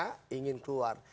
kami tidak ingin keluar